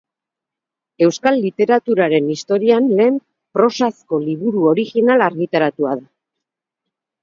Euskal literaturaren historian lehen prosazko liburu original argitaratua da.